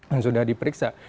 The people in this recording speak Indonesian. yang sudah diperiksa